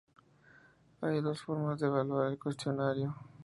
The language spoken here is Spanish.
Hay dos formas de evaluar el cuestionario.